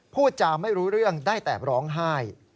พูดจาไม่รู้เรื่องได้แต่ร้องไห้